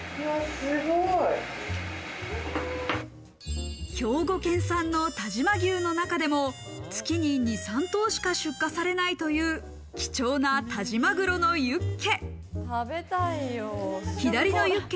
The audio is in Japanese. すごい！兵庫県産の但馬牛の中でも、月に２３頭しか出荷されないという、貴重な但馬玄のユッケ。